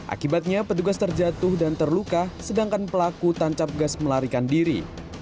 akibatnya petugas terjatuh dan terluka sedangkan pelaku tancap gas melarikan diri